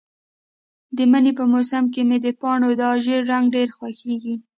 د مني په موسم کې مې د پاڼو دا ژېړ رنګ ډېر خوښیږي.